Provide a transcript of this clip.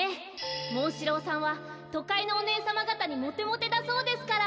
モンシローさんはとかいのおねえさまがたにモテモテだそうですから。